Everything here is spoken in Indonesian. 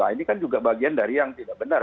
ini kan juga bagian dari yang tidak benar